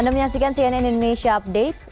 anda menyaksikan cnn indonesia update